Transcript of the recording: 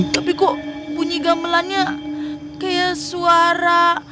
tapi kok bunyi gamelannya kayak suara